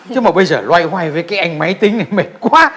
thế mà bây giờ loay hoay với cái anh máy tính này mệt quá